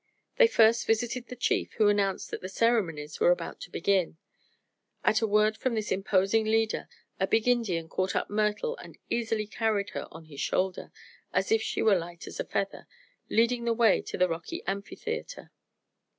They first visited the chief, who announced that the ceremonies were about to begin. At a word from this imposing leader a big Indian caught up Myrtle and easily carried her on his shoulder, as if she were light as a feather, leading the way to the rocky amphitheatre.